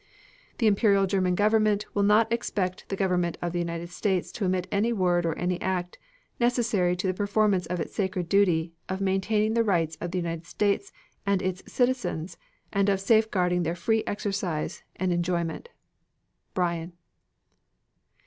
The Imperial German Government will not expect the Government of the United States to omit any word or any act necessary to the performance of its sacred duty of maintaining the rights of the United States and its citizens and of safeguarding their free exercise and enjoyment. BRYAN.